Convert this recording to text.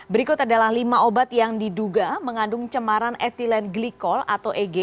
berikut adalah lima obat yang diduga mengandung cemaran etilen glikol atau eg